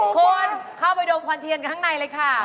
คุณเข้าไปดมควันเทียนกันข้างในเลยค่ะ